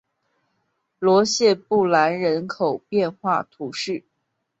罗谢布兰人口变化图示